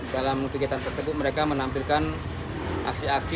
dalam kegiatan tersebut mereka menampilkan aksi aksi